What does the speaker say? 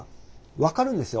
分かるんですよ。